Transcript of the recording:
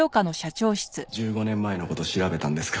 １５年前の事調べたんですか。